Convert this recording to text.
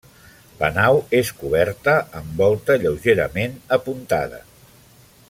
La nau és coberta amb volta lleugerament apuntada.